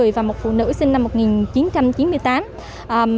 và một phụ nữ sinh năm một nghìn chín trăm chín mươi tám